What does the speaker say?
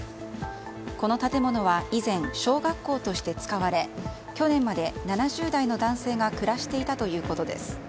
この建物は、以前小学校として使われ去年まで７０代の男性が暮らしていたということです。